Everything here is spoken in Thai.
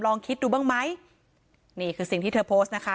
ลองคิดดูบ้างไหมนี่คือสิ่งที่เธอโพสต์นะคะ